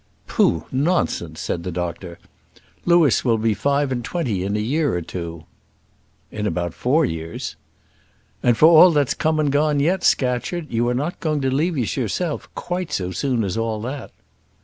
"Pooh, nonsense," said the doctor. "Louis will be five and twenty in a year or two." "In about four years." "And for all that's come and gone yet, Scatcherd, you are not going to leave us yourself quite so soon as all that."